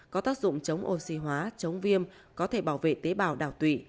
có tác dụng chống oxy hóa chống viêm có thể bảo vệ tế bào đảo tụy